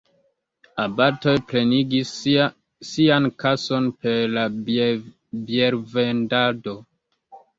Abatoj plenigis sian kason per la biervendado.